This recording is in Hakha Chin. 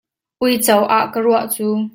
Uico ah ka ruah cu.